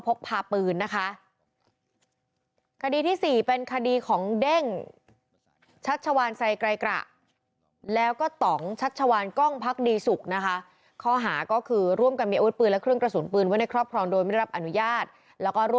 พกภาพปืนนะคะกดีที่สี่เป็นขณะดีของเด้ง